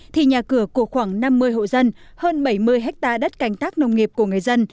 thì nhà cửa của khoảng năm mươi hộ dân hơn bảy mươi hectare đất canh tác nông nghiệp của người dân